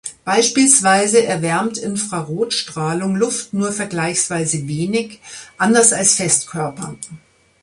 Beispielsweise erwärmt Infrarotstrahlung Luft nur vergleichsweise wenig, anders als Festkörper.